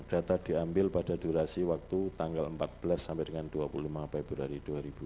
data diambil pada durasi waktu tanggal empat belas sampai dengan dua puluh lima februari dua ribu dua puluh